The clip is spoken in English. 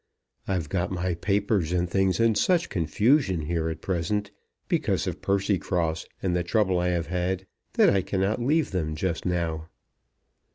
"I've got my papers and things in such confusion here at present, because of Percycross and the trouble I have had, that I cannot leave them just now."